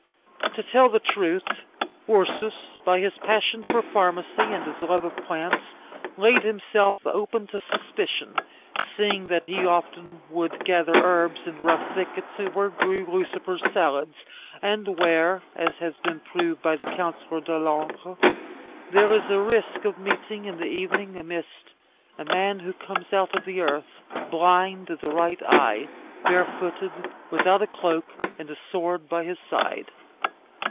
To tell the truth, Ursus, by his passion for pharmacy and his love of plants, laid himself open to suspicion, seeing that he often went to gather herbs in rough thickets where grew Lucifer's salads, and where, as has been proved by the Counsellor De l'Ancre, there is a risk of meeting in the evening mist a man who comes out of the earth, "blind of the right eye, barefooted, without a cloak, and a sword by his side."